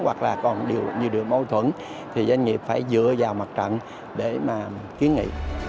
hoặc là còn nhiều điều mâu thuẫn thì doanh nghiệp phải dựa vào mặt trận để mà kiến nghị